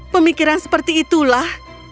pemikiran seperti itulah